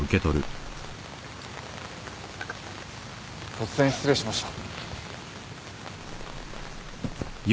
突然失礼しました。